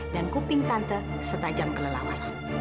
dan kuping tante setajam kelelawaran